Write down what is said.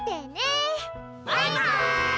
バイバーイ！